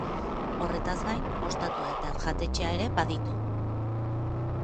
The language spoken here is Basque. Horretaz gain, ostatua eta jatetxea ere baditu.